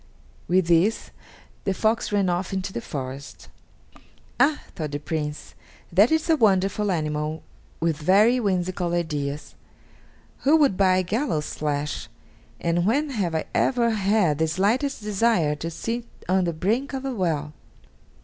With this the fox ran off into the forest! "Ah!" thought the young Prince, "that is a wonderful animal with very whimsical ideas! Who would buy gallows' flesh, and when have I ever had the slightest desire to sit on the brink of a well?"